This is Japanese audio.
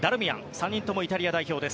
３人ともイタリア代表。